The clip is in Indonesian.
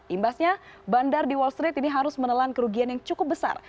imbasnya bandar di wall street ini harus menelan kerugian yang cukup besar